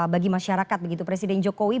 bagi masyarakat presiden jokowi